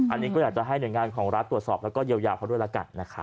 อันนี้ก็อยากจะให้หน่วยงานของรัฐตรวจสอบแล้วก็เยียวยาเขาด้วยแล้วกันนะครับ